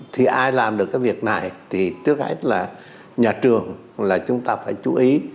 thì ai làm được cái việc này thì trước hết là nhà trường là chúng ta phải chú ý